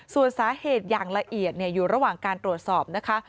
ส่วนสาเหตุอย่างละเอียดอยู่ระหว่างการตรวจสอบนะคะ